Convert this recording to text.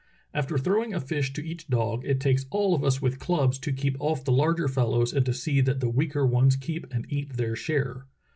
After throwing a fish to each dog, it takes all of us with clubs to keep off the larger fellows and to see that the weaker ones keep and eat their share.